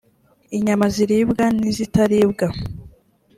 inyama ziribwa n’izitaribwa